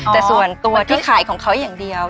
แต่ส่วนตัวที่ขายของเขาอย่างเดียว